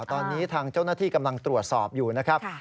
ตอนนี้ทางเจ้าหน้าที่กำลังตรวจสอบอยู่นะครับ